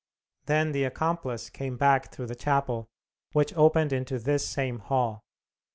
Then the accomplice came back through the chapel, which opened into this same hall.